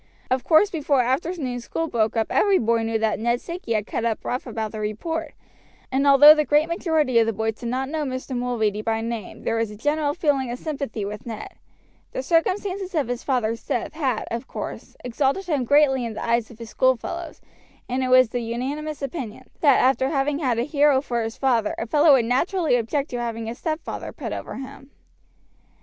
Of course before afternoon school broke up every boy knew that Ned Sankey had cut up rough about the report; and although the great majority of the boys did not know Mr. Mulready by name there was a general feeling of sympathy with Ned, The circumstances of his father's death had, of course, exalted him greatly in the eyes of his schoolfellows, and it was the unanimous opinion, that after having had a hero for his father, a fellow would naturally object to having a stepfather put over him.